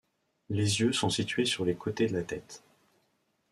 Les yeux sont situés sur les côtés de la tête.